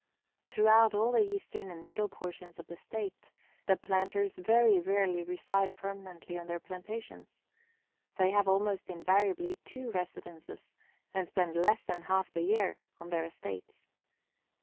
Throughout all the eastern and middle portions of the state, the planters very rarely reside permanently on their plantations. They have almost invariably two residences, and spend less than half the year on their estates.